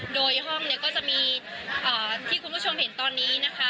โดยห้องเนี่ยก็จะมีที่คุณผู้ชมเห็นตอนนี้นะคะ